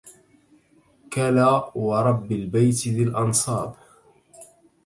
كلا ورب البيت ذي الأنصاب